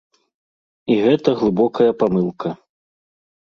І гэта глыбокая памылка.